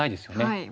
はい。